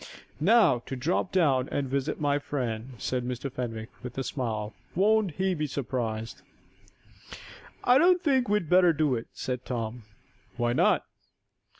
"Now to drop down and visit my friend," said Mr. Fenwick, with a smile. "Won't he be surprised!" "I don't think we'd better do it," said Tom. "Why not?"